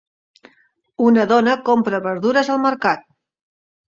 Una dona compra verdures al mercat.